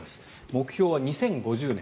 目標は２０５０年